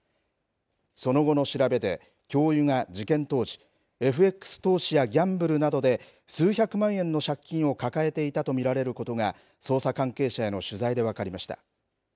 その後の調べで教諭が事件当時ＦＸ投資やギャンブルなどで数百万円の借金を抱えていたと見られることが捜査関係者への取材で分かりました。